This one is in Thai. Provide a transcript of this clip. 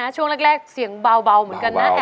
ช่วงแรกเสียงเบาเหมือนกันนะ